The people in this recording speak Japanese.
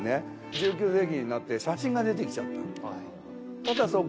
１９世紀になって写真が出てきちゃった。